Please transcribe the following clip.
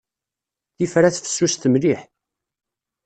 Tifrat fessuset mliḥ.